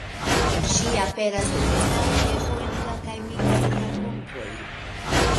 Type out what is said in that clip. Ŝi aperas de tempo al tempo en kelkaj mitaj rakontoj.